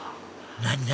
何？